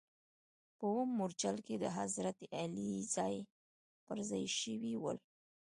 په اووم مورچل کې د حضرت علي ځاې پر ځا ې شوي ول.